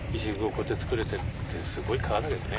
こうやって作れてってすごい川だよね